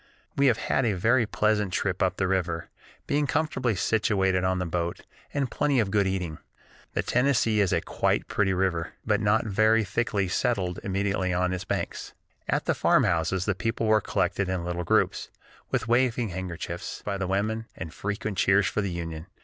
We have had a very pleasant trip up the river, being comfortably situated on the boat, and plenty of good eating. The Tennessee is quite a pretty river, but not very thickly settled immediately on its banks. At the farmhouses the people were collected in little groups, with waving handkerchiefs by the women, and frequent cheers for the Union.